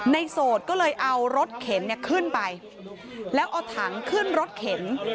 โสดก็เลยเอารถเข็นเนี่ยขึ้นไปแล้วเอาถังขึ้นรถเข็น